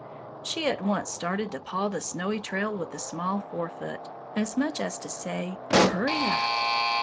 She at once started to paw the snowy trail with a small fore foot, as much as to say, "Hurry up!"